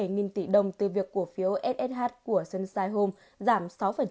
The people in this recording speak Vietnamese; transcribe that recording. một bảy mươi bảy nghìn tỷ đồng từ việc cổ phiếu ssh của sunshine home giảm sáu